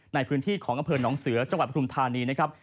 ในพื้นที่ของอำเภอหนองเสือจังหวัดปทุมธานีนะครับ